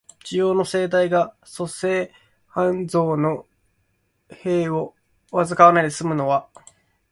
需要の盛大が粗製濫造の弊を伴わないで済むのは、